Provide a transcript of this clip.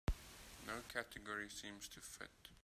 No category seems to fit.